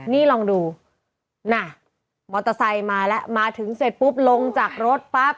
นี่ลองดูน่ะมอเตอร์ไซค์มาแล้วมาถึงเสร็จปุ๊บลงจากรถปั๊บ